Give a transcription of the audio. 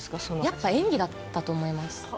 やっぱ演技だったと思います